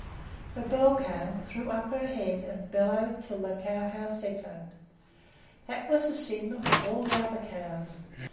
The bell cow threw up her head and bellowed till the cow house echoed. That was a signal for all the other cows.